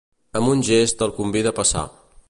Amb un gest el convida a passar.